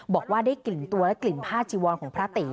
บอกว่าได้กลิ่นตัวและกลิ่นผ้าจีวรของพระตี